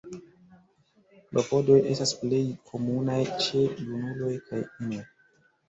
Klopodoj estas plej komunaj ĉe junuloj kaj inoj.